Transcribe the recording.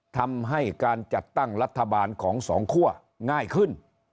ทำให้การจัดตั้งรัฐบาลของสองคั่วง่ายขึ้น